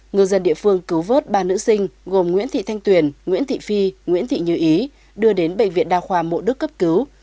người dân địa phương cứu vớt ba nữ sinh gồm nguyễn thị thanh tuyền nguyễn thị phi nguyễn thị như ý đưa đến bệnh viện đa khoa mộ đức cấp cứu